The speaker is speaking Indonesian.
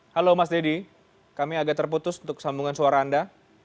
halo mas deddy kami agak terputus untuk sambungan suara anda